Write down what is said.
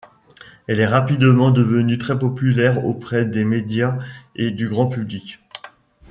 Elle est rapidement devenue très populaire auprès des médias et du grand public.